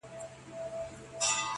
او په حمزه ختمیدونکی دی